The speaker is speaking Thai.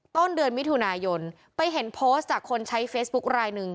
ต้นเดือนมิถุนายนไปเห็นโพสต์จากคนใช้เฟซบุ๊คลายหนึ่ง